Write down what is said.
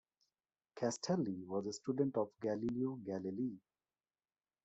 Castelli was a student of Galileo Galilei.